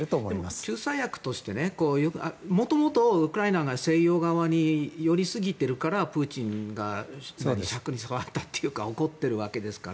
救済役としてもともと、ウクライナが西欧側に寄りすぎているからプーチンのしゃくに触ったというか怒っているわけですから。